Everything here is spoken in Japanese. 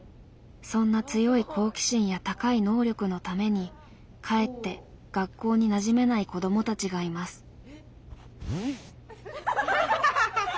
そんな強い好奇心や高い能力のためにかえって学校になじめない子どもたちがいます。